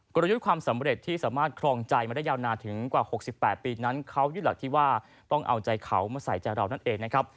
ลยุทธ์ความสำเร็จที่สามารถครองใจมาได้ยาวนานถึงกว่า๖๘ปีนั้นเขายึดหลักที่ว่าต้องเอาใจเขามาใส่ใจเรานั่นเองนะครับ